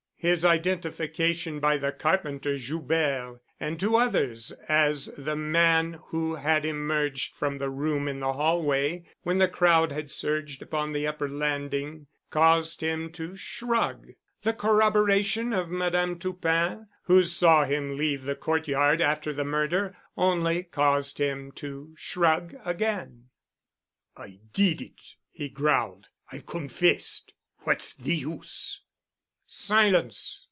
His identification by the carpenter Joubert and two others as the man who had emerged from the room in the hallway when the crowd had surged upon the upper landing, caused him to shrug. The corroboration of Madame Toupin who saw him leave the courtyard after the murder only caused him to shrug again. "I did it——" he growled. "I've confessed. What's the use?" "Silence!"